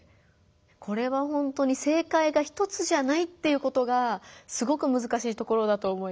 これはほんとに正解が一つじゃないっていうことがすごくむずかしいところだと思います。